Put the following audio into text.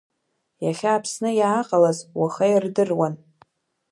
Иахьа Аԥсны иааҟалоз уаха ирдыруан.